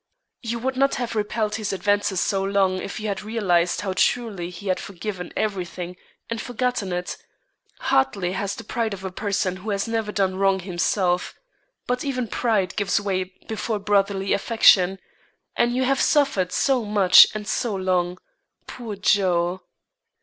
You would not have repelled his advances so long, if you had realized how truly he had forgiven every thing and forgotten it. Hartley has the pride of a person who has never done wrong himself. But even pride gives way before brotherly affection; and you have suffered so much and so long, poor Joe!"